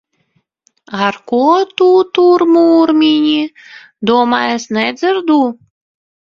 Ar ko tu tur murmini? Domā, es nedzirdu!